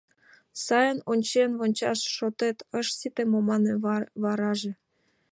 — Сайын ончен вончаш шотет ыш сите мо? — мане вараже.